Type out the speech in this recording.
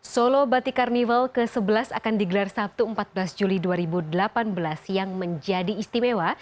solo batik karnival ke sebelas akan digelar sabtu empat belas juli dua ribu delapan belas yang menjadi istimewa